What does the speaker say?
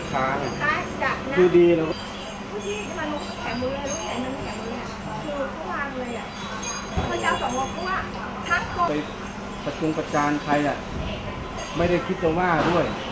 ไปประจงประจานไทยอ่ะไม่ได้คิดจะว่าด้วย